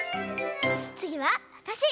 つぎはわたし！